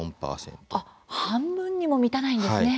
半分にも満たないんですね。